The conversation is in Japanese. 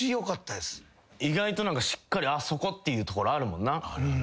意外としっかり「あっそこ」っていうところあるもんな。